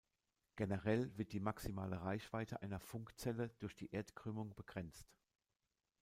Generell wird die maximale Reichweite einer Funkzelle durch die Erdkrümmung begrenzt.